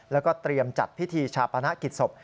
แล้วก็เตรียมจัดพิธีชาปนกิจศพ